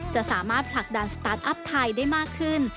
จะสามารถผลักดันสตาร์ทอัพไทยได้มากขึ้น